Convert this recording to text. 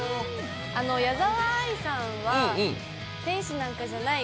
矢沢あいさんは「天使なんかじゃない」